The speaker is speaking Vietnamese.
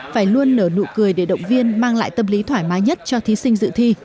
phải luôn nở nụ cười để động viên mang lại tâm lý thoải mái nhất cho thí sinh dự thi